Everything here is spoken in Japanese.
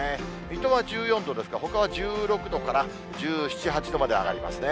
水戸は１４度ですが、ほかは１６度から１７、８度まで上がりますね。